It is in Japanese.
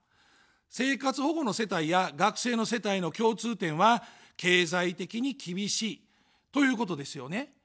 生活保護の世帯や学生の世帯の共通点は経済的に厳しいということですよね。